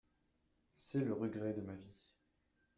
C’est le regret de ma vie…